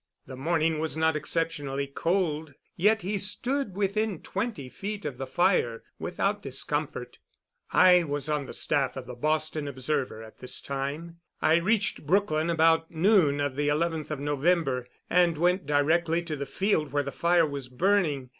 The morning was not exceptionally cold, yet he stood within twenty feet of the fire without discomfort. I was on the staff of the Boston Observer at this time. I reached Brookline about noon of the 11th of November, and went directly to the field where the fire was burning.